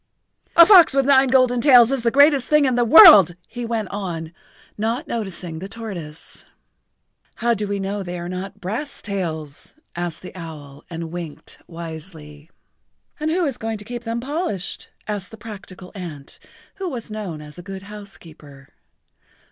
"A fox with nine golden tails is the greatest thing in the world," he went on, not noticing the tortoise. "How do we know they are not brass tails?" asked the owl, and winked wisely. "And who is going to keep them polished?" asked the practical ant, who was known as a good housekeeper.